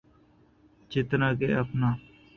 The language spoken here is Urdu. جتنا کہ اپنا۔